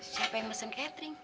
siapa yang mesen catering